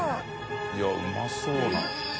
いやうまそうな。